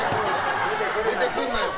出てくるなよ！